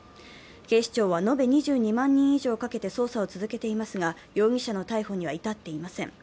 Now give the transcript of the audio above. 警視庁は延べ２２万人以上をかけて捜査を続けていますが容疑者の逮捕には至っていません。